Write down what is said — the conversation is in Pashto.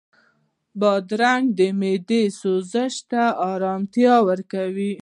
بادرنګ د معدې سوزش ته ارامتیا ورکوي.